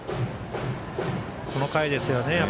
この回ですよね。